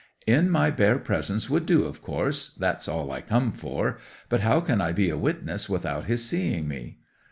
'"In my bare presence would do, of course—that's all I come for. But how can I be a witness without his seeing me?"